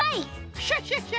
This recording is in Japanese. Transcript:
クシャシャシャ！